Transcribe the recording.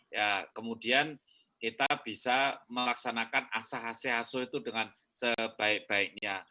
ya kemudian kita bisa melaksanakan asah ase aso itu dengan sebaik baiknya